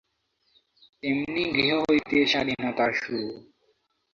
তেমনি গৃহ হইতে স্বাধীনতার শুরু।